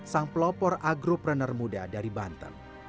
sang pelopor agropreneur muda dari banten